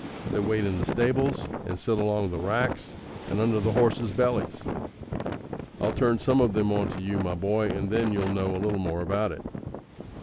They wait in the stables, and sit along the racks and under the horses' bellies. I'll turn some of 'em on to you, my boy, and then you'll know a little more about it."